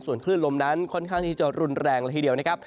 ส่วนคลื่นลมนั้นค่อนข้างที่จะรุนแรงละทีเดียวนะครับ